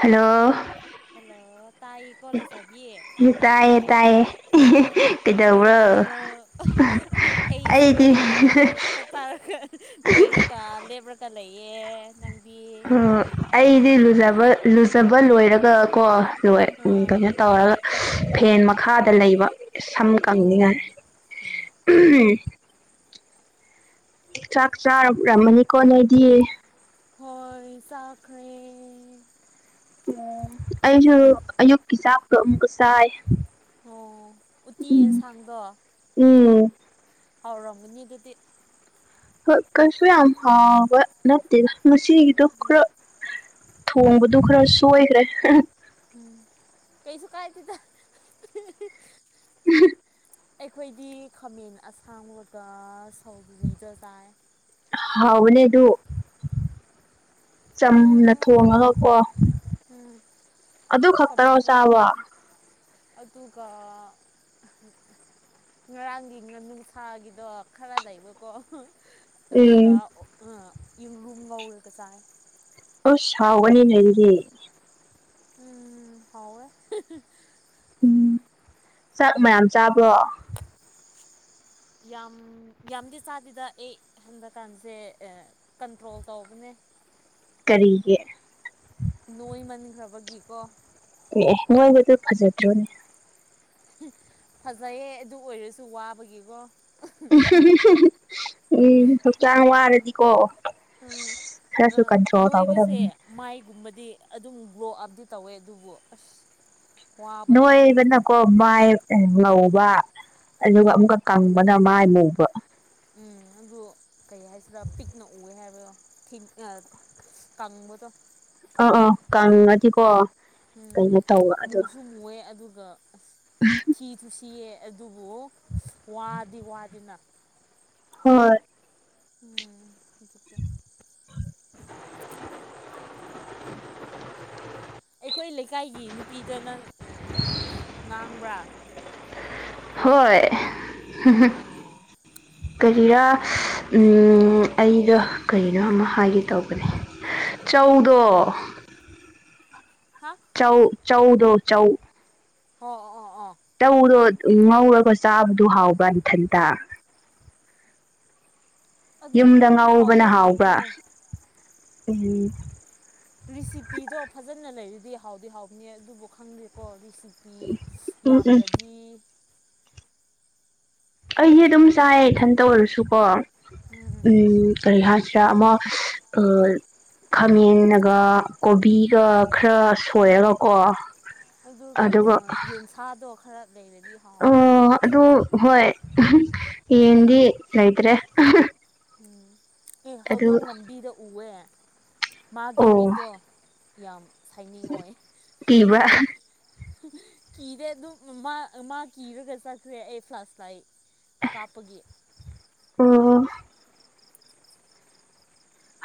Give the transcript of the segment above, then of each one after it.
hello hello ꯇꯥꯏꯌꯦꯀꯣ ꯂꯩꯁꯕꯤ ꯇꯥꯏꯌꯦ ꯇꯥꯏꯌꯦ ꯀꯩꯗꯧꯕ꯭ꯔꯣ ꯀꯩꯗꯧꯔꯤꯅꯣ ꯑꯩꯁꯦ ꯑꯩꯗꯤ ꯆꯥꯛꯆꯥꯔꯒ ꯂꯣꯏꯔꯒ ꯂꯦꯞꯔꯒ ꯂꯩꯌꯦ ꯅꯪꯗꯤ ꯑꯣ ꯑꯩꯗꯤ ꯂꯨꯖꯕ ꯂꯨꯖꯕ ꯂꯣꯏꯔꯒ ꯀꯣ ꯂꯣꯏ ꯎꯝ ꯑꯥ ꯀꯩꯅꯣ ꯇꯧꯔꯒ ꯐꯦꯟ ꯃꯈꯥꯗ ꯂꯩꯕ ꯁꯝ ꯀꯪꯅꯤꯡꯉꯥꯏ ꯑꯣ ꯎꯝ ꯆꯥꯛ ꯆꯥꯔꯔꯝꯃꯅꯤꯀꯣ ꯅꯣꯏꯗꯤ ꯍꯣꯏ ꯆꯥꯈ꯭ꯔꯦ ꯑꯣ ꯑꯩꯁꯨ ꯑꯌꯨꯛꯀꯤ ꯆꯥꯛꯇꯣ ꯑꯃꯨꯛꯀ ꯆꯥꯏ ꯑ ꯎꯇꯤ ꯎꯝ ꯌꯦꯟꯁꯥꯡꯗꯣ ꯎꯝ ꯍꯥꯎꯔꯝꯒꯅꯤ ꯑꯗꯨꯗꯤ ꯍꯣꯏ ꯀꯩꯁꯨ ꯌꯥꯝ ꯍꯥꯎꯕ ꯅꯠꯇꯦꯗ ꯉꯁꯤꯒꯤꯗꯣ ꯈꯔ ꯊꯣꯡꯕꯗꯨ ꯈꯔ ꯁꯣꯏꯈ꯭ꯔꯦ ꯎꯝ ꯀꯩꯁꯨ ꯀꯥꯏꯗꯦꯗ [unintelligible] ꯑꯩꯈꯣꯏꯗꯤ ꯈꯥꯃꯦꯟ ꯑꯁꯥꯡꯕꯒ ꯁꯧꯒ꯭ꯔꯤꯒ ꯆꯥꯏ ꯍꯥꯎꯕꯅꯦ ꯑꯗꯨ ꯆꯝꯅ ꯎꯝ ꯊꯣꯡꯉꯒꯀꯣ ꯎꯝ ꯑꯗꯨ ꯈꯛꯇꯔꯣ ꯆꯝꯊꯣꯡ ꯆꯥꯕ ꯑꯗꯨꯒ ꯉꯔꯥꯡꯒꯤ ꯉꯥꯅꯨ ꯁꯥꯒꯤꯗꯣ ꯈꯔ ꯂꯩꯕꯀꯣ ꯑꯗꯨꯒ ꯎꯝ ꯑ ꯌꯦꯡꯂꯨꯝ ꯉꯧꯔꯒ ꯆꯥꯏ ꯑꯁ ꯍꯥꯎꯒꯅꯤꯅꯦ ꯑꯗꯨꯗꯤ ꯎꯝ ꯍꯥꯎꯋꯦ ꯎꯝ ꯆꯥꯛ ꯃꯌꯥꯝ ꯆꯥꯕ꯭ꯔꯣ ꯌꯥꯝ ꯌꯥꯝꯗꯤ ꯆꯥꯗꯦꯗ ꯑꯦ ꯍꯟꯗꯛꯀꯥꯟꯁꯦ ꯑ ꯀꯟꯇ꯭ꯔꯣꯜ ꯇꯧꯕꯅꯦ ꯀꯔꯤꯒꯦ ꯅꯣꯏꯃꯟꯈ꯭ꯔꯕꯒꯤꯀꯣ ꯑꯦ ꯑꯦ ꯅꯣꯏꯕꯗꯨ ꯐꯖꯗ꯭ꯔꯣꯅꯦ ꯐꯖꯩꯌꯦ ꯑꯗꯨ ꯑꯣꯏꯔꯁꯨ ꯋꯥꯕꯒꯤꯀꯣ ꯎꯝ ꯍꯛꯆꯥꯡ ꯋꯥꯔꯗꯤꯀꯣ ꯑꯥ ꯑ ꯈꯔꯁꯨ ꯀꯟꯇ꯭ꯔꯣꯜ ꯅꯣꯏꯕꯁꯦ ꯇꯧꯒꯗꯕꯅꯤ ꯃꯥꯏꯒꯨꯝꯕꯗꯤ ꯑꯗꯨꯝ ꯒ꯭ꯔꯣ ꯑꯞꯇꯤ ꯇꯧꯋꯦ ꯑꯗꯨꯕꯨ ꯑꯁ ꯋꯥꯕꯗꯣ ꯅꯣꯏꯕꯅꯀꯣ ꯃꯥꯏ ꯉꯧꯕ ꯑꯗꯨꯒ ꯎꯝ ꯑꯃꯨꯛꯀ ꯀꯪꯕꯅ ꯃꯥꯏ ꯃꯧꯕ ꯎꯝ ꯑꯗꯨ ꯀꯩ ꯍꯥꯏꯁꯤꯔ ꯄꯤꯛꯅ ꯎꯏꯌꯦ ꯍꯥꯏꯕꯗꯣ ꯊꯤꯟ ꯑ ꯀꯪꯕꯗꯣ ꯑ ꯑꯥ ꯀꯡꯉꯗꯤꯀꯣ ꯎꯝ ꯃꯨꯁꯨ ꯃꯨꯑꯦ ꯑꯗꯨꯒ ꯊꯤꯁꯨ ꯊꯤꯌꯦ ꯑꯗꯨꯕꯨ ꯋꯥꯗꯤ ꯋꯥꯗꯦꯅ ꯍꯣꯏ ꯎꯝ ꯏꯀꯦ [unintelligible] [unintelligible] ꯑꯩꯈꯣꯏ ꯂꯩꯀꯥꯏꯒꯤ ꯅꯨꯄꯤꯗ ꯅꯪ ꯉꯥꯡꯕ꯭ꯔꯥ ꯍꯣꯏ ꯑꯣ ꯀꯔꯤꯔꯥ ꯑꯩꯗꯣ ꯀꯔꯤꯅꯣ ꯑꯃ ꯍꯥꯏꯒꯦ ꯇꯧꯕꯅꯦ ꯆꯧꯗꯣ ꯍꯥꯥ ꯆꯧ ꯆꯧꯗꯣ ꯆꯧ ꯑꯣ ꯑꯣ ꯑꯣ ꯇꯧꯗꯣ ꯉꯧꯔꯒ ꯆꯥꯕꯗꯨ ꯍꯥꯎꯕ ꯏꯊꯟꯇ ꯌꯨꯝꯗ ꯑꯗꯨꯝ ꯉꯥꯎꯕꯅ ꯍꯥꯎꯗꯤ ꯍꯥꯎꯕ꯭ꯔ ꯍꯥꯎꯕꯅꯦ ꯑꯝ ꯔꯤꯁꯤꯄꯤꯗꯣ ꯐꯖꯅ ꯂꯩꯔꯗꯤ ꯍꯥꯎꯗꯤ ꯍꯥꯎꯅꯤ ꯑꯗꯨꯕꯨ ꯈꯪꯗꯦꯀꯣꯔꯤꯁꯤ ꯄꯤ ꯎꯝ ꯎꯝ ꯌꯥꯝꯗ꯭ꯔꯗꯤ ꯑꯩꯗꯤ ꯑꯗꯨꯝ ꯆꯥꯏ ꯏꯊꯟꯇ ꯑꯣꯏꯔꯁꯨꯀꯣ ꯎꯝ ꯀꯔꯤ ꯍꯥꯏꯁꯤꯔꯥ ꯑꯃ ꯑ ꯈꯥꯃꯦꯟꯒ ꯀꯣꯕꯤꯒ ꯈꯔ ꯎꯝ ꯁꯣꯏꯔꯒꯀꯣ ꯑꯗꯨꯒ ꯌꯦꯟꯁꯥꯗꯣ ꯈꯔ ꯂꯩꯔꯗꯤ ꯑꯣ ꯍꯥꯎ ꯑꯗꯨ ꯍꯣꯏ ꯎꯝ ꯌꯦꯟꯗꯤ ꯂꯩꯇ꯭ꯔꯦ ꯎꯝ ꯑꯦ ꯑꯗꯨ ꯍꯧꯗꯣꯡ ꯂꯝꯕꯤꯗ ꯎꯑꯦ ꯃꯥꯒꯤ ꯑꯣ ꯃꯤꯠꯇꯣ ꯌꯥꯝ ꯁꯥꯏꯅꯤꯡ ꯑꯣꯏ ꯀꯤꯕ꯭ꯔꯥ ꯀꯤꯔꯦ ꯑꯗꯨꯝ ꯃꯥ ꯃꯥ ꯀꯤꯔꯒ ꯆꯠꯈ꯭ꯔꯦ ꯑꯩ ꯐ꯭ꯂꯥꯁ ꯂꯥꯏ ꯀꯥꯞꯄꯒꯤ ꯑꯣ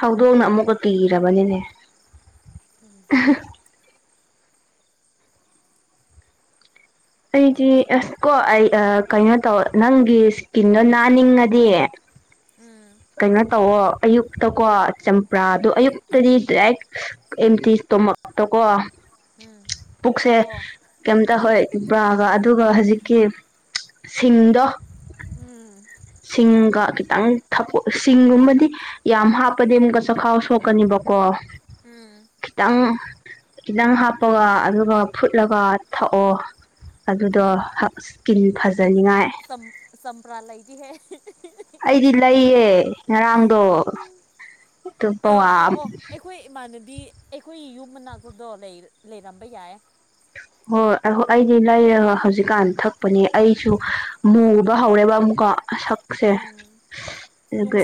ꯍꯧꯗꯣꯡꯅ ꯑꯃꯨꯛꯀ ꯀꯤꯔꯕꯅꯤꯅꯦ ꯎꯝ ꯑꯩꯗꯤ ꯑꯁ ꯀꯣ ꯑꯩ ꯀꯩꯅꯣ ꯇꯧ ꯅꯪꯒꯤ ꯏꯁꯀꯤꯟꯗꯣ ꯅꯥꯅꯤꯡꯉꯗꯤ ꯎꯝ ꯀꯩꯅꯣ ꯇꯧꯑꯣ ꯑꯌꯨꯛꯇ ꯀꯣ ꯆꯝꯄ꯭ꯔꯥꯗ ꯎꯝ ꯑꯌꯨꯛ ꯗꯤ ꯑꯦꯝꯇ ꯏꯁꯇꯣꯃꯛꯇꯣꯀꯣ ꯎꯝ ꯄꯨꯛꯁꯦ ꯊꯥꯛꯑꯣ ꯀꯩꯝꯇ ꯍꯣꯏ ꯆꯝꯄ꯭ꯔꯥꯒ ꯑꯗꯨꯒ ꯍꯧꯖꯤꯛꯀꯤ ꯁꯤꯡꯗꯣ ꯎꯝ ꯁꯤꯡꯒ ꯈꯤꯇꯪ ꯊ ꯁꯤꯡꯒꯨꯝꯕꯗꯤ ꯌꯥꯝ ꯍꯥꯞꯄꯗꯤ ꯑꯃꯨꯛꯀ ꯆꯈꯥꯎ ꯁꯣꯛꯀꯅꯤꯕꯀꯣ ꯎꯝ ꯈꯤꯇꯪ ꯈꯤꯇꯪ ꯍꯥꯞꯄꯒ ꯑꯗꯨꯒ ꯐꯨꯠꯂꯒ ꯊꯛꯑꯣ ꯑꯗꯨꯗꯣ ꯏꯁꯀꯤꯟ ꯐꯖꯅꯤꯡꯉꯥꯏ ꯆꯝ ꯆꯝꯄ꯭ꯔꯥ ꯂꯩꯗꯤꯍꯦ ꯑꯩꯗꯤ ꯂꯩꯌꯦ ꯉꯔꯥꯡꯗꯣ ꯑꯗꯨ ꯑꯧ ꯄꯋꯥ ꯑꯧ ꯑꯩꯈꯣꯏ ꯏꯃꯥꯟꯅꯕꯤ ꯑꯩꯈꯣꯏꯒꯤ ꯌꯨꯝ ꯃꯅꯥꯛꯇꯨꯗꯣ ꯂꯩꯔꯝꯕ ꯌꯥꯏ ꯍꯣꯏ ꯑꯩꯗꯤ ꯂꯩꯔꯒ ꯍꯧꯖꯤꯛꯀꯥꯟ ꯊꯛꯄꯅꯦ ꯑꯩꯁꯨ ꯃꯨꯕ ꯍꯧꯔꯦꯕ ꯀꯣ ꯁꯛꯁꯦ ꯑꯗꯨꯒ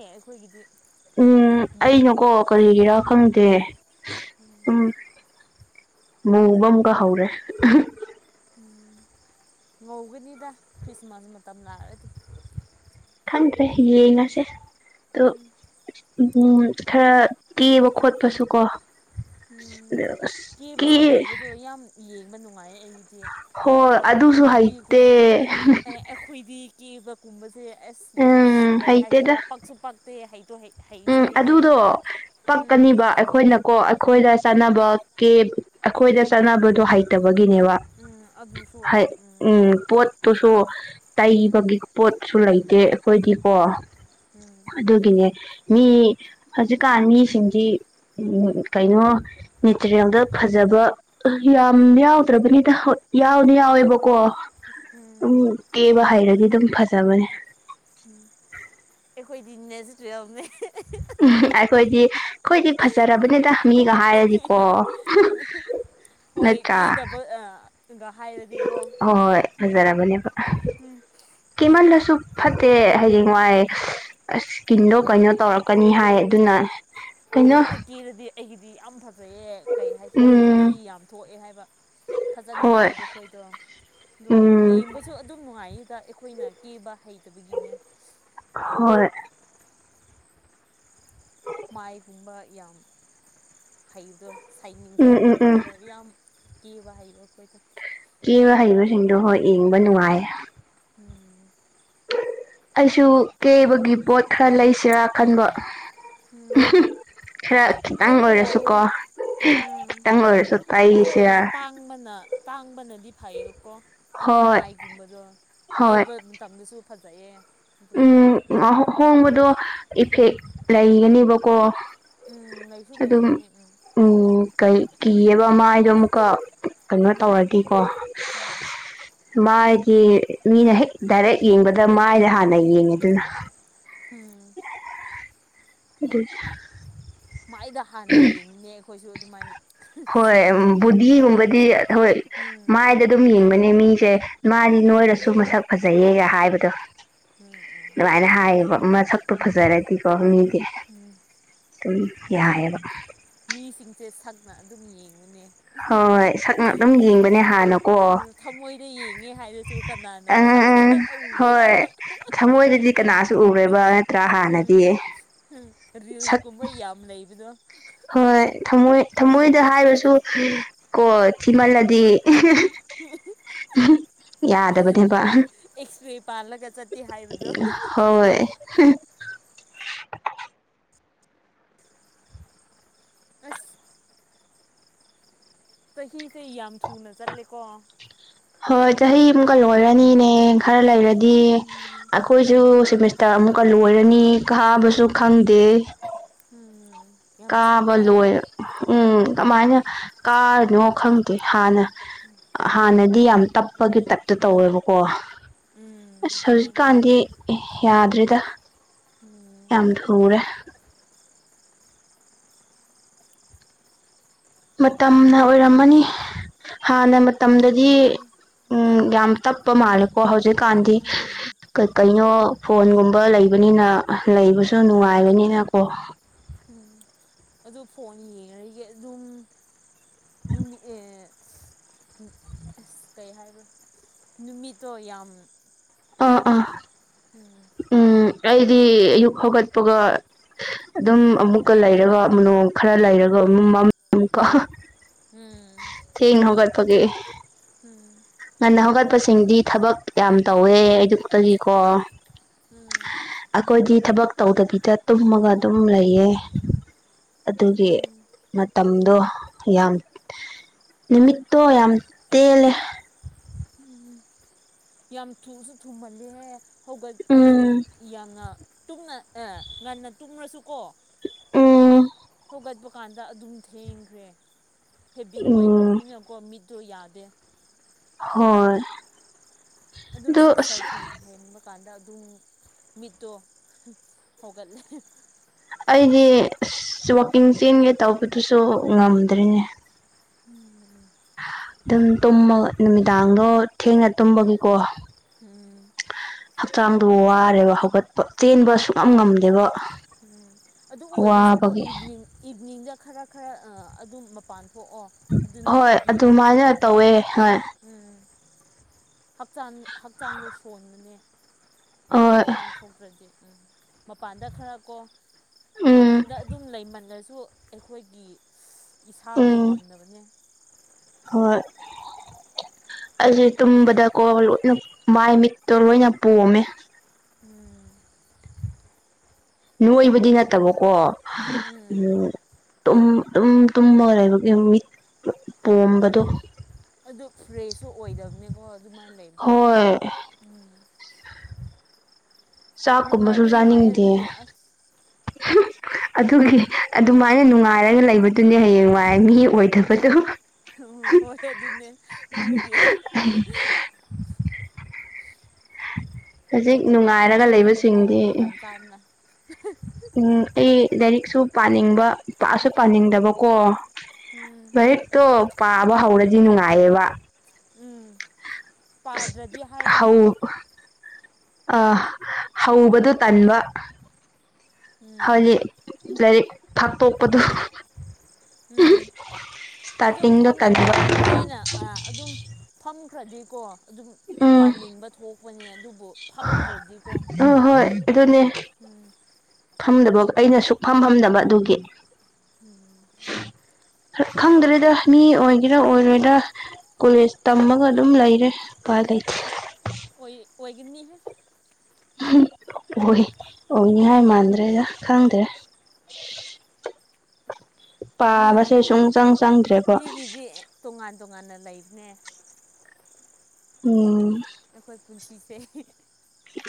ꯑꯦ ꯑꯩꯈꯣꯏꯒꯤꯗꯤ ꯎꯝ ꯃꯨꯔꯒ ꯑꯩꯅꯀꯣ ꯀꯔꯤꯒꯤꯔꯥ ꯎꯝ ꯈꯪꯗꯦ ꯎꯝ ꯃꯨꯕ ꯑꯃꯒ ꯍꯧꯔꯦ ꯎꯝ ꯉꯧꯒꯅꯤꯗ ꯈ꯭ꯔꯤꯁꯃꯥꯁ ꯃꯇꯝ ꯂꯥꯛꯑꯗꯤ ꯈꯪꯗ꯭ꯔꯦ ꯌꯦꯡꯉꯁꯦ ꯑꯣ ꯎꯝ ꯎꯝ ꯈꯔ ꯀꯦꯕ ꯈꯣꯠꯄꯁꯨ ꯀꯣ ꯎꯝ ꯑꯁ ꯀꯦꯕꯁꯨ ꯀꯦ ꯍꯩꯕꯗꯣ ꯌꯥꯝ ꯌꯦꯡꯕ ꯅꯨꯡꯉꯥꯏꯌꯦ ꯑꯩꯗꯤ ꯍꯣꯏ ꯑꯗꯨꯁꯨ ꯍꯩꯇꯦ ꯅꯨꯄꯤꯈꯣꯏꯗꯣ ꯑꯦ ꯑꯩꯈꯣꯏꯗꯤ ꯀꯦꯕ ꯀꯨꯝꯕꯁꯦ ꯑꯁ ꯎꯝ ꯀꯩ ꯍꯩꯇꯦꯗ ꯍꯥꯏꯁꯤꯔꯥ ꯄꯛꯁꯨ ꯄꯛꯇꯦ ꯍꯩꯁꯨ ꯍꯩꯇꯦ ꯎꯝ ꯑꯗꯨꯗꯣ ꯎꯝ ꯄꯛꯀꯅꯤꯕ ꯑꯩꯈꯣꯏꯅꯀꯣ ꯑꯩꯈꯣꯏꯗ ꯎꯝ ꯆꯥꯟꯅꯕ ꯀꯦ ꯑꯩꯈꯣꯏꯗ ꯆꯠꯅꯕꯗꯣ ꯍꯩꯇꯕꯒꯤꯅꯦꯕ ꯎꯝ ꯑꯗꯨꯁꯨ ꯍꯥꯏ ꯑꯣꯏꯌꯦ ꯎꯝ ꯄꯣꯠ ꯇꯨꯁꯨ ꯎꯝ ꯇꯩꯕꯒꯤ ꯄꯣꯠꯁꯨ ꯂꯩꯇꯦ ꯑꯩꯈꯣꯏꯗꯤꯀꯣ ꯎꯝ ꯎꯝ ꯑꯗꯨꯒꯤꯅꯦ ꯃꯤ ꯍꯧꯖꯤꯛꯀꯥꯟ ꯃꯤꯁꯤꯡꯗꯤ ꯀꯩꯅꯣ ꯅꯦꯆꯔꯦꯜꯗ ꯐꯖꯕ ꯌꯥꯝ ꯌꯥꯎꯗ꯭ꯔꯕꯅꯤꯗ ꯍꯣꯢ ꯌꯥꯎꯗꯤ ꯌꯥꯎꯋꯦꯕꯀꯣ ꯎꯝ ꯑꯗꯨꯝ ꯎꯝ ꯀꯦꯕ ꯍꯩꯔꯗꯤ ꯑꯗꯨꯝ ꯐꯖꯕꯅꯦ ꯎꯝ ꯑꯩꯈꯣꯏꯗꯤ ꯅꯦꯖꯔꯦꯜꯅꯦ ꯎ ꯑꯩꯈꯣꯏꯗꯤ ꯑꯩꯈꯣꯏꯗꯤ ꯐꯖꯔꯕꯅꯤꯗ ꯃꯤꯒ ꯍꯥꯏꯔꯗꯤꯀꯣ ꯍꯣꯏ ꯅꯠꯇ꯭ꯔꯥ ꯀꯦꯗꯕ ꯍꯣꯏ ꯐꯖꯔꯕꯅꯦꯕ ꯎꯝ ꯀꯤꯃꯜꯂꯁꯨ ꯐꯠꯇꯦ ꯍꯌꯦꯡꯋꯥꯏ ꯑ ꯁꯀꯤꯟꯗꯣ ꯀꯩꯅꯣ ꯇꯧꯔꯛꯀꯅꯤ ꯍꯥꯏ ꯑꯗꯨꯅ ꯀꯩꯅꯣ ꯐꯖꯅ ꯀꯦꯔꯗꯤ ꯑꯩꯒꯤꯗꯤ ꯌꯥꯝ ꯐꯖ ꯐꯖꯩ ꯀꯩ ꯍꯥꯏꯁꯤꯔꯥ ꯅꯨꯄꯤ ꯎꯝ ꯌꯥꯝ ꯊꯣꯛꯑꯦ ꯍꯥꯏꯕ ꯍꯣꯏ ꯐꯖꯅꯒꯦꯕ ꯑꯩꯈꯣꯏꯗꯣ ꯑꯗꯣ ꯎꯝ ꯌꯦꯡꯕ ꯁꯨ ꯑꯗꯨꯝ ꯅꯨꯡꯉꯥꯏꯗ ꯑꯩꯈꯣꯏꯅ ꯀꯦꯕ ꯍꯩꯇꯕꯒꯤꯅꯦ ꯍꯣꯏ ꯃꯥꯏꯒꯨꯝꯕ ꯌꯥꯝ ꯍꯩꯕꯗꯣ ꯁꯩꯅꯤꯡ ꯎꯝ ꯎꯝ ꯎꯝ ꯁꯩꯅꯤꯡꯒꯣꯝꯗ ꯌꯥꯝ ꯀꯦꯕ ꯍꯥꯏꯕꯈꯣꯢꯗꯣ ꯀꯦꯕ ꯍꯩꯕꯁꯤꯡꯗꯣ ꯍꯣꯏ ꯌꯦꯡꯕ ꯅꯨꯡꯉꯥꯏꯌꯦ ꯎꯝ ꯑꯩꯁꯨ ꯀꯦꯕꯒꯤ ꯄꯣꯠ ꯈꯔ ꯂꯩꯁꯤꯔꯥ ꯈꯟꯕ ꯎꯝ ꯈꯔ ꯈꯤꯇꯪ ꯂꯩꯕ ꯌꯥꯏꯌꯦꯅ ꯑꯣꯏꯔꯁꯨꯀꯣ ꯎꯝ ꯈꯤꯇꯪ ꯑꯣꯏꯔꯁꯨ ꯑꯗꯨ ꯄꯥꯛ ꯇꯩꯁꯤꯔꯥ ꯇꯥꯡꯕꯅ ꯇꯥꯡꯕꯅꯗꯤ ꯐꯩꯀꯣ ꯑꯩꯈꯣꯏ ꯍꯣꯏ ꯃꯥꯏꯒꯨꯝꯕꯗꯣ ꯍꯣꯏ ꯀꯦꯕ ꯀꯦꯕ ꯃꯇꯝꯗꯁꯨ ꯐꯖꯩꯌꯦ ꯑꯗꯣ ꯎꯝ ꯎꯝ ꯍꯣꯡꯕꯗꯣ ꯏꯐꯦꯛ ꯂꯩꯒꯅꯦꯕꯀꯣ ꯎꯝ ꯂꯩꯁꯨ ꯂꯩꯕꯅꯤ ꯎꯝ ꯎꯝ ꯀꯩ ꯀꯤꯑꯦꯕ ꯃꯥꯢꯗꯣ ꯑꯃꯨꯛꯀ ꯀꯩꯅꯣ ꯎꯝ ꯇꯧꯔꯗꯤꯀꯣ ꯎꯝ ꯃꯥꯥꯏꯗꯤ ꯃꯤꯅ ꯍꯦꯛ ꯗꯥꯏꯔꯦꯛ ꯌꯦꯡꯕꯗ ꯃꯥꯏꯗ ꯍꯥꯟꯅ ꯌꯦꯡꯉꯤꯗꯅ ꯎꯝ ꯑꯗꯨꯅꯤ ꯃꯥꯏꯗ ꯍꯥꯟꯅ ꯌꯦꯡꯉꯦ ꯑꯩꯈꯣꯏꯁꯨ ꯑꯗꯨꯃꯥꯏꯅ ꯍꯣꯏ ꯎꯝ ꯕꯨꯙꯤꯒꯨꯝꯕꯗꯤ ꯍꯣꯏ ꯎꯝ ꯃꯥꯏꯗ ꯑꯗꯨꯝ ꯌꯦꯡꯕꯅꯦ ꯃꯤꯁꯦ ꯃꯥꯗꯤ ꯅꯣꯏꯔꯁꯨ ꯎꯝ ꯃꯁꯛ ꯐꯖꯩꯌꯦꯒ ꯍꯥꯏꯕꯗꯣ ꯎꯝ ꯎꯝ ꯑꯗꯨꯃꯥꯏꯅ ꯑꯗꯨꯅꯦ ꯍꯥꯏꯌꯦꯕ ꯃꯁꯛꯄꯨ ꯎꯝ ꯐꯖꯔꯗꯤꯀꯣ ꯃꯤꯗꯤ ꯎꯝ ꯑꯗꯨꯝ ꯌꯥꯏꯑꯦꯕ ꯃꯤꯁꯤꯡꯁꯦ ꯁꯛꯅ ꯑꯗꯨꯝ ꯌꯦꯡꯕꯅꯦ ꯍꯣꯏ ꯁꯛꯅ ꯑꯗꯨꯝ ꯌꯦꯡꯕꯅꯦ ꯍꯥꯟꯅꯀꯣ ꯊꯃꯣꯏꯗ ꯌꯦꯡꯉꯦ ꯍꯥꯏꯔꯁꯨ ꯀꯅꯥꯅ ꯑꯪ ꯑꯪ ꯑꯪ ꯐꯥꯔꯁꯇ ꯎꯒꯦꯔꯥ ꯍꯣꯏ ꯊꯃꯣꯏꯗꯗꯤ ꯀꯅꯥꯁꯨ ꯎꯔꯣꯏꯕ ꯇ꯭ꯔꯥ ꯍꯥꯟꯅꯗꯤ [unintelligible] ꯁꯛ ꯔꯤꯜꯁꯀꯨꯝꯕ ꯌꯥꯝ ꯂꯩꯕꯗꯣ ꯍꯣꯏ ꯊꯝꯃꯣꯏ ꯊꯃꯣꯏꯗ ꯍꯥꯏꯔꯁꯨ ꯀꯣ ꯊꯤꯃꯜꯂꯗꯤ [unintelligible] ꯌꯥꯗꯕꯅꯦꯕ ꯑꯦꯛꯁ꯭ꯔꯦ ꯄꯥꯜꯂꯒ ꯆꯠꯄꯤ ꯍꯥꯏꯕꯗꯣ [unintelligible] ꯑꯁ ꯆꯍꯤꯁꯦ ꯌꯥꯝ ꯊꯨꯅ ꯆꯠꯂꯦꯀꯣ ꯍꯣꯏ ꯆꯍꯤ ꯑꯃꯨꯛꯀ ꯂꯣꯏꯔꯅꯤꯅꯦ ꯈꯔ ꯂꯩꯔꯗꯤ ꯎꯝ ꯑꯩꯈꯣꯏꯁꯨ ꯎꯝ ꯁꯦꯃꯤꯁ ꯇꯥ ꯑꯃꯨꯛꯀ ꯂꯣꯏꯔꯅꯤ ꯀꯥꯕꯁꯨ ꯈꯪꯗꯦ ꯎꯝ ꯌꯥꯝ ꯀꯥꯕ ꯊꯨꯑꯦ ꯂꯣꯏꯔ ꯎꯝ ꯀꯃꯥꯏꯅ ꯀꯥꯔꯤꯅꯣ ꯈꯪꯗꯦ ꯍꯥꯟꯅ ꯎꯝ ꯍꯥꯟꯅꯗꯤ ꯌꯥꯝ ꯇꯞꯄꯒꯤ ꯇꯥꯏꯞꯇ ꯇꯧꯋꯦꯕꯀꯣ ꯎꯝ ꯑꯁ ꯑꯗꯨꯃꯥꯏꯅ ꯇꯧꯋꯦ ꯍꯧꯖꯤꯛꯀꯥꯟꯗꯤ ꯑꯦ ꯌꯥꯗ꯭ꯔꯦꯗ ꯎꯝ ꯌꯥꯝ ꯊꯨꯔꯦ ꯃꯇꯝꯅ ꯑꯣꯏꯔꯝꯃꯅꯤ ꯍꯥꯟꯅ ꯃꯇꯝꯗꯗꯤ ꯃꯇꯝꯅꯅꯦ ꯑꯪ ꯎꯝ ꯌꯥꯝ ꯇꯞ ꯇꯞꯄ ꯃꯥꯜꯂꯦꯀꯣ ꯍꯧꯖꯤꯛꯀꯥꯟꯗꯤ ꯎꯝ ꯀꯩꯀꯩꯅꯣ ꯐꯣꯟꯒꯨꯝꯕ ꯂꯩꯕꯅꯤꯅ ꯂꯩꯕꯁꯨ ꯎꯝ ꯅꯨꯡꯉꯥꯏꯕꯅꯤꯅ ꯀꯣ ꯎꯝ ꯑꯗꯨ ꯐꯣꯟ ꯌꯦꯡꯉꯔꯣꯏꯒꯦ ꯑꯗꯨꯝ ꯅꯨꯃꯤꯠ ꯑꯦ ꯑꯁ ꯀꯩ ꯍꯥꯏꯕ꯭ꯔꯥ ꯅꯨꯃꯤꯠꯇꯣ ꯌꯥꯝ ꯑꯥ ꯇꯦꯜꯂꯦ ꯑꯥ ꯎꯝ ꯎꯝ ꯑꯩꯗꯤ ꯑꯌꯨꯛ ꯍꯧꯒꯠꯄꯒ ꯑꯗꯨꯝ ꯑꯃꯨꯛ ꯎꯝ ꯑꯃꯨꯛꯀ ꯂꯩꯔꯒ ꯅꯣꯡ ꯈꯔ ꯂꯩꯔꯒ ꯃꯝ [unintelligible] ꯎꯝ ꯊꯦꯡꯅ ꯍꯧꯒꯠꯄꯒꯤ ꯎꯝ ꯉꯟꯅ ꯍꯧꯒꯠꯄꯁꯤꯡꯗꯤ ꯊꯕꯛ ꯌꯥꯝ ꯇꯧꯋꯦ ꯑꯌꯨꯛꯇꯒꯤꯀꯣ ꯎꯝ ꯑꯩꯈꯣꯏꯗꯤ ꯊꯕꯛ ꯇꯧꯗꯕꯤꯗ ꯇꯨꯝꯃꯒ ꯑꯗꯨꯝ ꯂꯩꯌꯦ ꯑꯗꯨꯒꯤ ꯎꯝ ꯃꯇꯝꯗꯣ ꯌꯥꯝ ꯅꯨꯃꯤꯠꯇꯣ ꯌꯥꯝ ꯇꯦꯜꯂꯦ ꯎꯝ ꯌꯥꯝ ꯊꯨꯁꯨ ꯊꯨꯃꯜꯂꯦꯍꯦ ꯍꯧꯒꯠ ꯑꯩꯁꯨ ꯎꯝ ꯌꯥꯝꯅ ꯇꯨꯝꯅ ꯑꯦ ꯉꯟꯅ ꯇꯨꯝꯂꯁꯨꯀꯣ ꯎꯝ ꯍꯧꯒꯠꯄ ꯀꯥꯟꯗ ꯑꯗꯨꯝ ꯊꯦꯡꯈ꯭ꯔꯦ ꯍꯦꯕꯤꯠ ꯎꯝ ꯑꯣꯏꯈ꯭ꯔꯕꯅꯤꯅꯀꯣ ꯃꯤꯠꯇꯣ ꯌꯥꯗꯦ ꯍꯣꯏ ꯑꯗꯨꯝ ꯑꯗꯨ ꯁꯤꯛꯁ ꯑꯁ ꯊꯥꯔꯇꯤ ꯍꯦꯟꯕ ꯀꯥꯟꯗ ꯑꯗꯨꯝ ꯃꯤꯠꯇꯣ ꯍꯧꯒꯠꯂꯦ ꯑꯩꯗꯤ ꯏꯁ ꯋꯥꯛꯀꯤꯡ ꯆꯦꯟꯒꯦ ꯇꯧꯕꯗꯨꯁꯨ ꯉꯝꯗ꯭ꯔꯦꯅꯦ ꯎꯝ ꯑꯗꯨꯝ ꯇꯨꯝꯃꯒ ꯅꯨꯃꯤꯗꯥꯡꯗꯣ ꯊꯦꯡꯅ ꯇꯨꯝꯕꯒꯤꯀꯣ ꯎꯝ ꯍꯛꯆꯥꯡꯗꯣ ꯋꯥꯔꯦꯕ ꯍꯧꯒꯠꯄ ꯇꯦꯟꯕ ꯁꯨꯛꯉꯝ ꯉꯝꯗꯦꯕ ꯎꯝ ꯑꯗꯨ ꯑꯣꯏꯔꯁꯨꯀꯣ ꯋꯥꯕꯒꯤ ꯏꯚꯤꯅꯤꯡ ꯏꯚꯤꯅꯤꯡꯗ ꯈꯔ ꯈꯔ ꯑꯗꯨꯝ ꯃꯄꯥꯟ ꯊꯣꯛꯑꯣ ꯑꯗꯨ ꯍꯣꯏ ꯅꯠꯇ꯭ꯔꯗꯤ ꯑꯗꯨꯃꯥꯏꯅ ꯎꯝ ꯇꯧꯋꯦ ꯍꯣꯏ ꯎꯝ ꯍꯛꯆꯥꯡ ꯍꯛꯆꯥꯡꯗꯣ ꯁꯣꯟꯕꯅꯦ ꯍꯣꯏ ꯑꯗꯨꯃꯥꯏ ꯊꯣꯛꯇ꯭ꯔꯗꯤ ꯎꯝ ꯃꯄꯥꯟꯗ ꯈꯔ ꯀꯣ ꯎꯝ ꯔꯨꯝꯗ ꯑꯗꯨꯝ ꯂꯩꯃꯜꯂꯁꯨ ꯑꯩꯈꯣꯏꯒꯤ ꯏꯁꯥꯗꯣ ꯎꯝ ꯉꯝꯗꯕꯅꯦ ꯍꯣꯏ ꯑꯩꯁꯦ ꯇꯨꯝꯕꯗꯀꯣ ꯂꯣꯏꯅ ꯃꯥꯏ ꯃꯤꯠꯇꯣ ꯂꯣꯏꯅ ꯄꯣꯝꯃꯦ ꯎꯝ ꯅꯣꯏꯕꯗꯤ ꯅꯠꯇꯕꯀꯣ ꯎꯝ ꯑꯗꯨꯝ ꯇꯨꯝꯃ ꯂꯩꯕꯒꯤ ꯃꯤꯠ ꯄꯣꯝꯕꯗꯣ ꯑꯗꯨ ꯐ꯭ꯔꯦꯁꯁꯨ ꯑꯣꯏꯗꯕꯅꯦꯀꯣ ꯑꯗꯨꯃꯥꯏꯅ ꯂꯩꯕꯗ ꯍꯣꯏ ꯎꯝ ꯆꯥꯛ ꯀꯨꯝꯕꯁꯨ ꯅꯨꯡꯉꯥꯏꯗꯤ ꯅꯨꯡꯉꯥꯏꯌꯦ ꯆꯥꯅꯤꯡꯗꯦ ꯑꯗꯨꯕꯨ ꯑꯁ ꯑꯗꯨꯒꯤ ꯑꯗꯨꯃꯥꯏꯅ ꯎꯝ ꯅꯨꯡꯉꯥꯏꯔꯒ ꯂꯩꯕꯗꯨꯅꯦ ꯍꯌꯦꯡ ꯋꯥꯏ ꯃꯤ ꯑꯣꯏꯊꯕꯗꯣ ꯎꯝ ꯎꯝ ꯍꯣꯏ ꯑꯗꯨꯅꯦ ꯑꯗꯨꯒꯤ ꯑꯩ ꯍꯧꯖꯤꯛ ꯅꯨꯡꯉꯥꯏꯔꯒ ꯐꯖꯅ ꯇꯨꯝꯃꯣ ꯂꯩꯕꯁꯤꯡꯗꯤ ꯃꯇꯝ ꯆꯥꯅ ꯎꯝ ꯑꯩ ꯂꯥꯏꯔꯤꯛꯁꯨ ꯄꯥꯅꯤꯡꯕ ꯄꯥꯁꯨ ꯄꯥꯅꯤꯡꯗꯕꯀꯣ ꯎꯝ ꯂꯥꯏꯔꯤꯛꯇꯣ ꯄꯥꯕ ꯍꯧꯔꯗꯤ ꯅꯨꯡꯉꯥꯏꯌꯦꯕ ꯎꯝ ꯄꯥꯗ꯭ꯔꯗꯤ ꯍꯥꯏꯅꯣ ꯍꯧ ꯑ ꯍꯧꯕꯗꯨ ꯇꯟꯕ ꯎꯝ ꯍꯥꯏꯗꯤ ꯂꯥꯏꯔꯤꯛ ꯐꯥꯛꯇꯣꯛꯄꯗꯨ ꯎꯝ ꯑꯗꯨ ꯐꯝꯅꯦꯅ ꯑꯗꯨꯝ ꯐꯝꯈ꯭ꯔꯗꯤꯀꯣ ꯑꯗꯨꯝ ꯄꯥꯅꯤꯡꯕ ꯊꯣꯛꯄꯅꯦ ꯑꯗꯨ ꯍ ꯍꯣꯏ ꯑꯗꯨꯅꯦ ꯎꯝ ꯐꯝꯗꯕ ꯑꯩꯅ ꯁꯨꯛ ꯐꯝ ꯐꯝꯗꯕ ꯑꯗꯨꯒꯤ ꯎꯝ ꯈꯪꯗꯔꯤꯦꯗ ꯃꯤ ꯑꯣꯏꯒꯦꯔꯥ ꯑꯣꯏꯔꯣꯏꯗꯥ ꯀꯣꯂꯦꯖ ꯇꯝꯃꯒ ꯑꯗꯨꯝ ꯂꯩꯔꯦ ꯎꯄꯥꯏ ꯂꯩꯇꯦ ꯑꯣꯏ ꯑꯣꯏꯒꯤꯅꯤꯍꯦ ꯎ ꯑꯣꯏ ꯑꯣꯏꯅꯤꯉꯥꯏ ꯃꯥꯟꯗ꯭ꯔꯦꯗ ꯈꯪꯗ꯭ꯔꯦ ꯄꯥꯕꯁꯨ ꯁꯨꯡꯆꯪ ꯆꯪꯗ꯭ꯔꯦꯀꯣ ꯁꯤꯗꯤ ꯇꯣꯉꯥꯟ ꯇꯣꯉꯥꯟꯅ ꯂꯩꯕꯅꯦ ꯎꯝ ꯑꯩꯈꯣꯏ ꯄꯨꯟꯁꯤꯁꯦ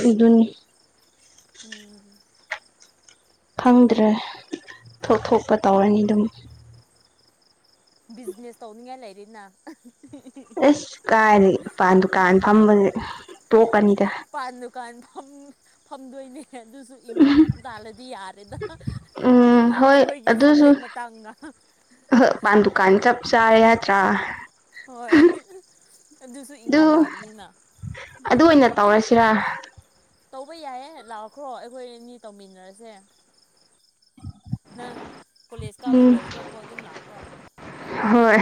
ꯑꯗꯨꯅꯤ ꯎꯝ ꯐꯪꯗ꯭ꯔꯦ ꯊꯣꯛ ꯊꯣꯛꯄ ꯇꯧꯔꯅꯤ ꯑꯗꯨꯝ ꯕꯤꯖꯤꯅꯦꯁ ꯇꯧꯅꯤꯡꯉꯥꯏ ꯂꯩꯔꯤꯅ ꯑꯁ ꯀꯥꯏꯗꯒꯤ ꯄꯥꯟ ꯗꯨꯀꯥꯟ ꯐꯝꯕꯁꯦ ꯇꯣꯛꯀꯅꯤꯗ ꯄꯥꯟ ꯗꯨꯀꯥꯟ ꯐꯝ ꯐꯝꯗꯣꯏꯅꯦ ꯑꯗꯨꯁꯨ ꯏꯟꯀꯝ ꯇꯥꯜꯂꯗꯤ ꯌꯥꯔꯦꯗ ꯎꯝ ꯍꯣꯏ ꯑꯩꯈꯣꯏꯒꯤ ꯁꯕꯖꯦꯛ ꯃꯇꯥꯡꯒ ꯍ ꯄꯥꯟꯗꯨꯀꯥꯟ ꯆꯞ ꯆꯥꯔꯣ ꯅꯠꯇ꯭ꯔ ꯍꯣꯏ ꯑꯗꯨꯁꯨ ꯑꯗꯨ ꯏꯟꯀꯥꯝ ꯂꯥꯛꯀꯅꯤꯅ ꯑꯗꯨ ꯑꯣꯏꯅ [inaudible] ꯇꯧꯕ ꯌꯥꯏꯌꯦ ꯂꯥꯛꯈ꯭ꯔꯣ ꯑꯩꯈꯣꯏ ꯑꯅꯤ ꯇꯧꯃꯤꯟꯅꯔꯁꯦ ꯅꯪ ꯀꯣꯂꯦꯖ ꯀꯥꯕ ꯎꯝ ꯂꯣꯏꯔꯒꯀꯣ ꯑꯗꯨꯝ ꯂꯥꯛꯈ꯭ꯔꯣ ꯍꯣꯏ